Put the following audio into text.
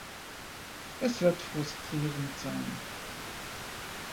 Es wird frustrierend sein.